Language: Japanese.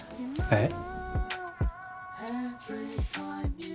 えっ？